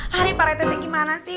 hari pak rete nya gimana sih